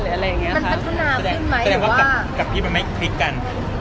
มันพัฒนาขึ้นไหมหรือว่าแค่กับพี่มันไม่คลิก่ัน